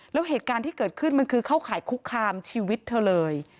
แล้วเหตุการณ์ที่เกิดขึ้นมันคือเข้าข่ายคุกคามชีวิตเธอเลย